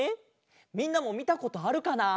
みんなもみたことあるかな？